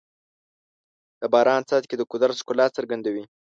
د باران څاڅکي د قدرت ښکلا څرګندوي.